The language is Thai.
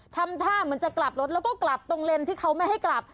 ทำท่าเหมือนจะกลับรถแล้วก็กลับตรงเลนที่เขาไม่ให้กลับ